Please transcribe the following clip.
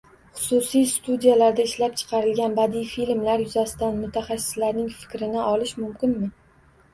Xususiy studiyalarda ishlab chiqarilgan badiiy filmlar yuzasidan mutaxassislarning fikrini olish mumkinmi?